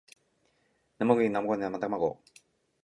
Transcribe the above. なまむぎなまごめなまたまご